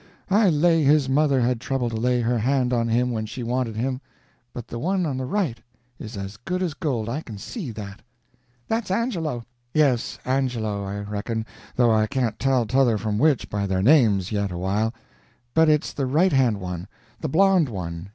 I lay his mother had trouble to lay her hand on him when she wanted him. But the one on the right is as good as gold, I can see that." "That's Angelo." "Yes, Angelo, I reckon, though I can't tell t'other from which by their names, yet awhile. But it's the right hand one the blond one.